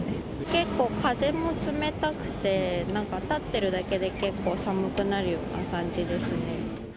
結構、風も冷たくて、なんか立ってるだけで結構、寒くなるような感じですね。